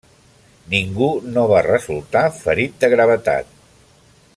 Ningú no va resultar ferit de gravetat.